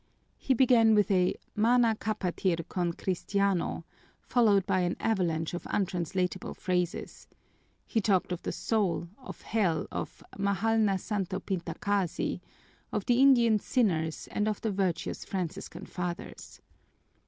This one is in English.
He began with a "Mana capatir con cristiano," followed by an avalanche of untranslatable phrases. He talked of the soul, of Hell, of "mahal na santo pintacasi," of the Indian sinners and of the virtuous Franciscan Fathers.